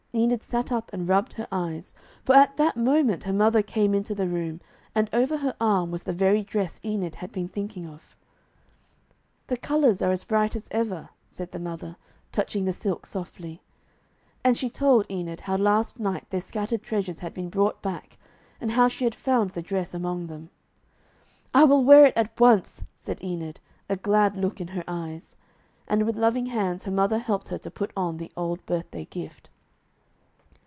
Enid sat up and rubbed her eyes. For at that moment her mother came into the room, and over her arm was the very dress Enid had been thinking of. 'The colours are as bright as ever,' said the mother, touching the silk softly. And she told Enid how last night their scattered treasures had been brought back, and how she had found the dress among them. 'I will wear it at once,' said Enid, a glad look in her eyes. And with loving hands her mother helped her to put on the old birthday gift.